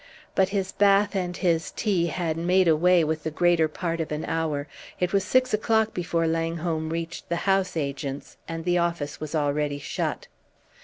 But his bath and his tea had made away with the greater part of an hour; it was six o'clock before Langholm reached the house agent's, and the office was already shut.